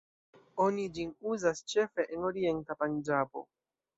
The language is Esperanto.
Oni ĝin uzas ĉefe en orienta Panĝabo.